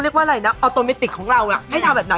สามารถเอาตัวรอดจากคนร้ายได้นะแม่เนอะ